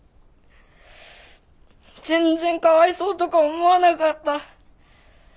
全然かわいそうとか思わなかった。